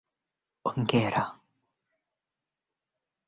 wakati unaweza kuokolewa kwa miaka kwa safari